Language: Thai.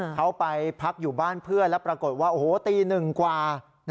เขาไปพักอยู่บ้านเพื่อนแล้วปรากฏว่าโอ้โหตีหนึ่งกว่า